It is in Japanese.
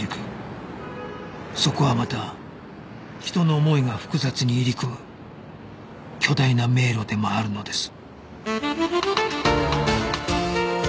そこはまた人の思いが複雑に入り組む巨大な迷路でもあるのです